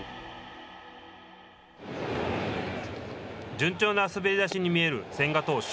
順調な滑り出しに見える千賀投手。